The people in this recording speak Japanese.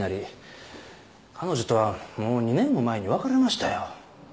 彼女とはもう２年も前に別れましたよ。